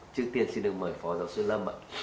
trước tiên xin được mời phó giáo sư lâm ạ